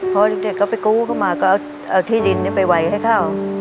พอเด็กก็ไปกู้เข้ามาก็เอาที่ดินไปไหวให้เข้า